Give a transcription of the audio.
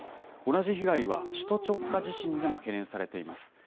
同じ被害は、首都直下地震でも懸念されています。